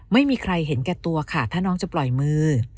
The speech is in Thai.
ไม่มีใครเห็นแก่ตัวค่ะถ้าน้องจะปล่อยมือ